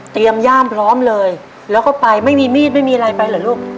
ย่ามพร้อมเลยแล้วก็ไปไม่มีมีดไม่มีอะไรไปเหรอลูก